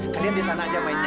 kalian di sana aja main ya